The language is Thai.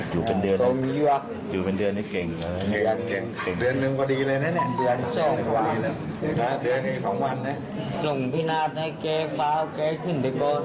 อยู่เป็นเดือน